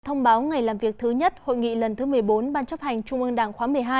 thông báo ngày làm việc thứ nhất hội nghị lần thứ một mươi bốn ban chấp hành trung ương đảng khóa một mươi hai